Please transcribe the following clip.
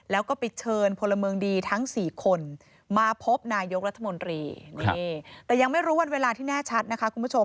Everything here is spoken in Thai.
แล้วเขาก็เลยวิ่งเอาอีกแล้วเขาก็กำลัง